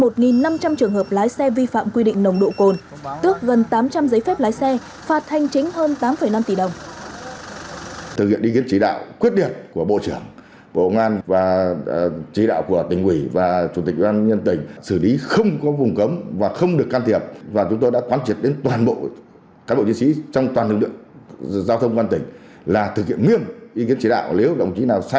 trường hợp lái xe vi phạm quy định nồng độ cồn tước gần tám trăm linh giấy phép lái xe phạt hành chính hơn tám năm tỷ đồng